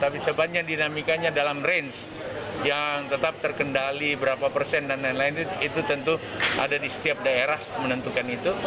tapi sebabnya dinamikanya dalam range yang tetap terkendali berapa persen dan lain lain itu tentu ada di setiap daerah menentukan itu